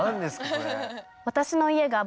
これ。